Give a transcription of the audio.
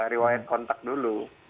riwayat kontak dulu